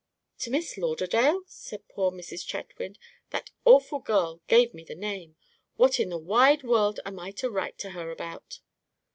"To Miss Lauderdale?" said poor Mrs. Chetwynd; "that awful girl gave me the name. What in the wide world am I to write to her about?"